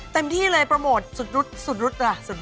เต็มที่เลยโปรโมทสุดรุ๊ดล่ะสุด